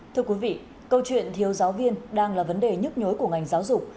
thưa quý vị câu chuyện thiếu giáo viên đang là vấn đề nhức nhối của ngành giáo dục